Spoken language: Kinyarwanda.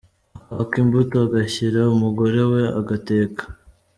Akwaka imbuto agashyira umugore we agateka.”